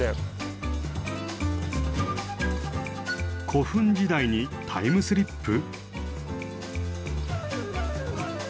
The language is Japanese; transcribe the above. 古墳時代にタイムスリップ！？